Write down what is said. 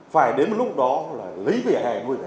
phải đến một lúc đó là lấy vỉa hè nuôi vỉa hè